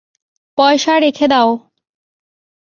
পয়সা রেখে দাও।